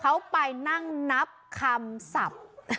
เขาไปนั่งนับคำศัพท์